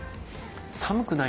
「寒くないの？」